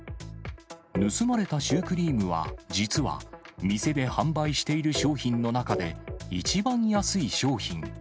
盗まれたシュークリームは、実は店で販売している商品の中で一番安い商品。